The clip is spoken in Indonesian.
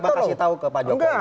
jadi abang kasih tau ke pak jokowi